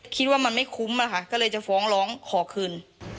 คิดว่ามันไม่คุ้มนะคะก็เลยจะฟ้องร้องขอคืน